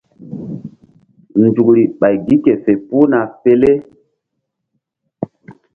Nzukri ɓay gi ke fe puhna pele.